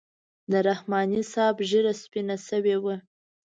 د رحماني صاحب ږیره سپینه شوې وه.